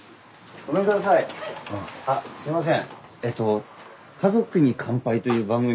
あすいません。